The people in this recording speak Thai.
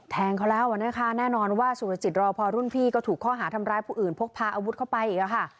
แทงเขาแล้วนะคะแน่นอนว่าสุรจิตรอพอรุ่นพี่ก็ถูกข้อหาทำร้ายผู้อื่นพกพาอาวุธเข้าไปอีกค่ะ